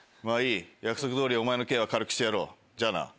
まぁいい約束通りお前の刑は軽くしてやろうじゃあな。